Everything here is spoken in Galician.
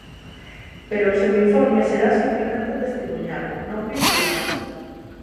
Pero o seu informe será simplemente testimuñal, non vinculante.